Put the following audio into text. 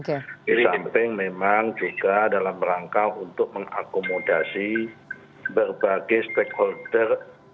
di samping memang juga dalam rangka untuk mengakomodasi berbagai stakeholder